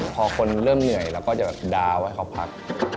พอคนเริ่มเหนื่อยเราก็จะแบบดาวน์ให้เขาพัก